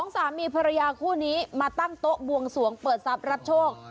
สามีภรรยาคู่นี้มาตั้งโต๊ะบวงสวงเปิดทรัพย์รับโชค